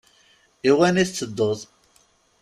Iwani teteddut?